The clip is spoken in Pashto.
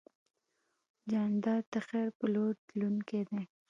جانداد د خیر په لور تلونکی دی.